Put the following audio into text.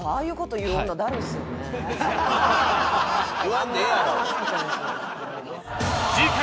言わんでええやろ！